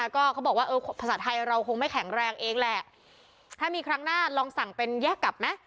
ก็เขาบอกว่าเออภาษาไทยเราคงไม่แข็งแรงเองแหละถ้ามีครั้งหน้าลองสั่งเป็นแยกกลับไหม